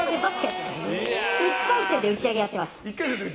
１回戦で打ち上げやってました。